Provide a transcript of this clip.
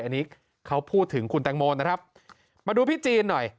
อันนี้เขาพูดถึงคุณแตงโมนะครับมาดูพี่จีนหน่อย